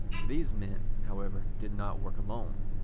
These men, however, did not work alone.